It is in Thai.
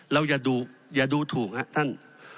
อย่าดูถูกครับท่าน